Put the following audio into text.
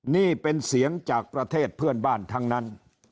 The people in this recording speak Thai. นี่เป็นเสียงจากประเทศเพื่อนบ้านทั้งนั้น